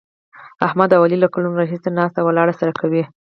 احمد او علي له کلونو راهسې ناسته ولاړه سره کوي.